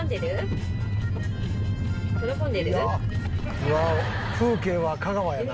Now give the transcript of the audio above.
うわっ風景は香川やな。